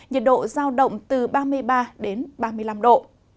nhiệt độ giao động từ ba mươi ba đến ba mươi năm độ